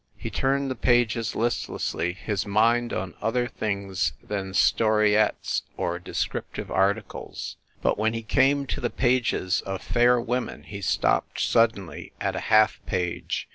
He turned the pages listlessly, his mind on other things than storiettes or descriptive articles. But, when he came to the pages of fair women he stopped suddenly at a half page.